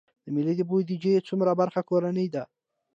د ملي بودیجې څومره برخه کورنۍ ده؟